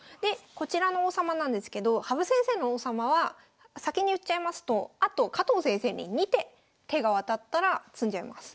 こちらの王様なんですけど羽生先生の王様は先に言っちゃいますとあと加藤先生に２手手が渡ったら詰んじゃいます。